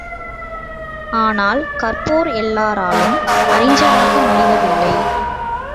ஆனால், கற்போர் எல்லாராலும் அறிஞராக முடிவதில்லை.